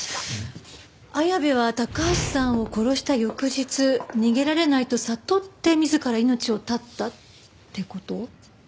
綾部は高橋さんを殺した翌日逃げられないと悟って自ら命を絶ったって事？